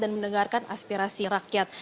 dan mendengarkan aspirasi rakyat